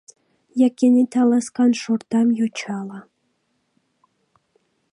Я кенета ласкан шортам йочала.